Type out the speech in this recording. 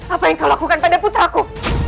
apa yang kau lakukan pada putraku